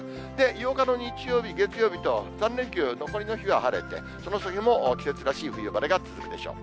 ８日の日曜日、月曜日と、３連休残りの日は晴れて、その先も季節らしい冬晴れが続くでしょう。